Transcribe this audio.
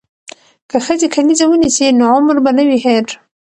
که ښځې کلیزه ونیسي نو عمر به نه وي هیر.